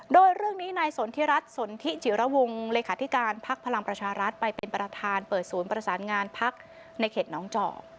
โดยเรื่องนี้นายสนทิรัฐสนทิจิระวงเลขาธิการพักพลังประชารัฐไปเป็นประธานเปิดศูนย์ประสานงานพักในเขตน้องเจาะ